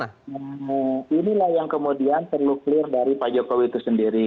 nah inilah yang kemudian perlu clear dari pak jokowi itu sendiri